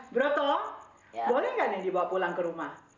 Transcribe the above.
broto boleh nggak nih dibawa pulang ke rumah